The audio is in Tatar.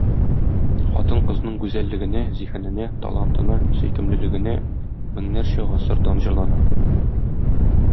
Хатын-кызның гүзәллегенә, зиһененә, талантына, сөйкемлелегенә меңнәрчә гасыр дан җырлана.